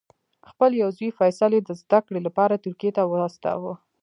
خپل یو زوی فیصل یې د زده کړې لپاره ترکیې ته واستاوه.